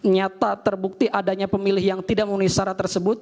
nyata terbukti adanya pemilih yang tidak memenuhi syarat tersebut